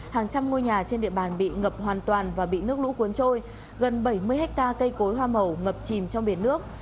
hàng trăm ngôi nhà trên địa bàn bị ngập hoàn toàn và bị nước lũ cuốn trôi gần bảy mươi hectare cây cối hoa màu ngập chìm trong biển nước